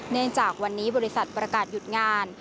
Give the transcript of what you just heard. เนื่องจากวันนี้บริษัทประกาศหยุดงาน